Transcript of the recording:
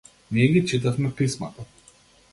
Ние ги читавме писмата.